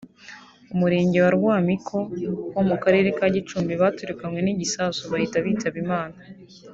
Umurenge wa Rwamiko ho mu Karere ka Gicumbi baturikanywe n’igisasu bahita bitaba Imana